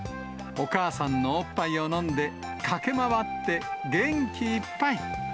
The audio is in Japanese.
お母さんのおっぱいを飲んで、駆け回って、元気いっぱい。